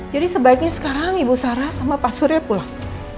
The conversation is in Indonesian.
jadi sebaiknya sekarang ibu sarah sama pak suriel pulang